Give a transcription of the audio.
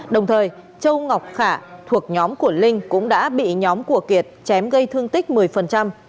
đồng thời châu ngọc khả thuộc nhóm của linh cũng đã bị nhóm của kiệt chém gây thương tích một mươi